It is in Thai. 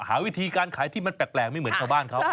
หาวิธีการขายที่มันแปลกไม่เหมือนชาวบ้านเขา